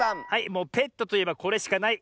もうペットといえばこれしかない。